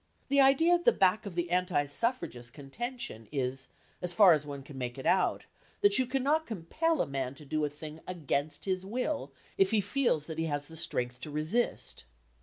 The idea at the back of the anti suffragist contention is, as far as one can make it out, that you cannot compel a man to do a thing against his will, if he feels that he has the strength to resist.